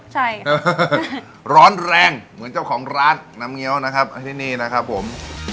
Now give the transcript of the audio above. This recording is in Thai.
ใช่ค่ะร้อนแรงเหมือนเจ้าของร้านน้ำเงี้ยวนะครับที่นี่นะครับผม